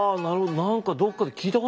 何かどっかで聞いたことないかな？